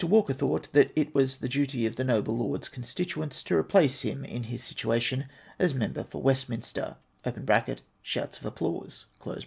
Walker thought that it was the duty of the noble Loi'd's constituents to replace him in his situation as Member for Westminster {sJioufs of applause).